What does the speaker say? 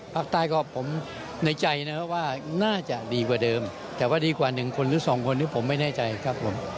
ภาคใต้ก็ผมในใจนะครับว่าน่าจะดีกว่าเดิมแต่ว่าดีกว่า๑คนหรือสองคนที่ผมไม่แน่ใจครับผม